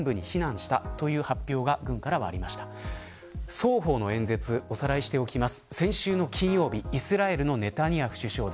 双方の演説をおさらいしておきます